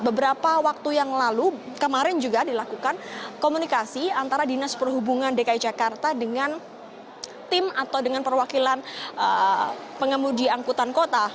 beberapa waktu yang lalu kemarin juga dilakukan komunikasi antara dinas perhubungan dki jakarta dengan tim atau dengan perwakilan pengemudi angkutan kota